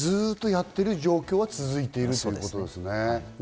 マックスでずっとやってる状況が続いているということですね。